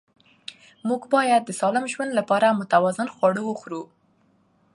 موږ باید د سالم ژوند لپاره متوازن خواړه وخورو